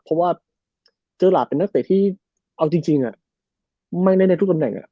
เพราะว่าเจอหลาดเป็นนักเตะที่เอาจริงไม่ได้ในทุกตำแหน่ง